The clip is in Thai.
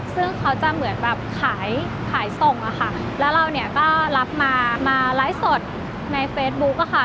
ซึ่งเขาจะเหมือนแบบขายส่งแล้วเราก็รับมาไลฟ์สดในเฟสบุ๊คค่ะ